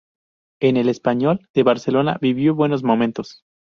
En el Español de Barcelona vivió buenos momentos.